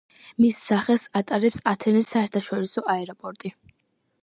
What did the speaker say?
მის სახელს ატარებს ათენის საერთაშორისო აეროპორტი.